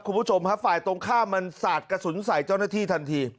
คุณผู้ชมฮะฝ่ายตรงข้ามมันสาดกระสุนใส่เจ้าหน้าที่ทันที